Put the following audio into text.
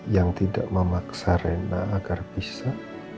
yang tidak memaksa rena agar bisa